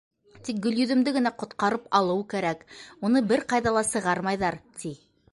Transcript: Тик Гөлйөҙөмдө генә ҡотҡарып алыу кәрәк, уны бер ҡайҙа ла сығармайҙар, ти.